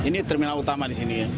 ini terminal utama di sini ya